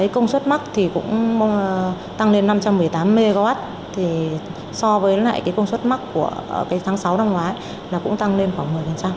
công suất mắc thì cũng tăng lên năm trăm một mươi tám mw so với lại công suất mắc của tháng sáu năm ngoái là cũng tăng lên khoảng một mươi